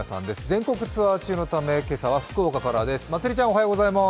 全国ツアー中のため、今朝は福岡からです。